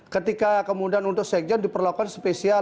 ketika kemudian untuk sekjen diperlakukan spesial